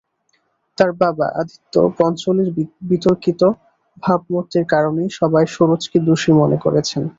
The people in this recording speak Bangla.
তাঁর বাবা আদিত্য পাঞ্চোলির বিতর্কিত ভাবমূর্তির কারণেই সবাই সুরজকে দোষী মনে করছেন।